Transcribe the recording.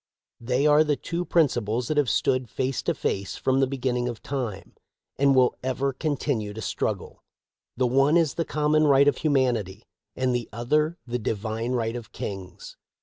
They are the two principles that have stood face to face from the beginning of time, and will ever continue to struggle. The one is the common right of humanity, and the other the divine right of kings.